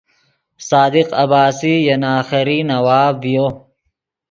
صادق عباسی ین آخری نواب ڤیو